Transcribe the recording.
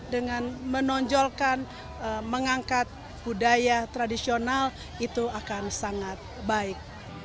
dengan menonjolkan mengangkat budaya tradisional itu akan sangat baik